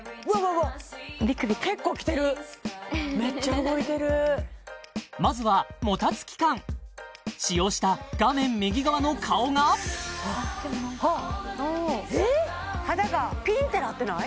うわっ結構きてるめっちゃ動いてるまずはもたつき感使用した画面右側の顔が肌がピーンってなってない？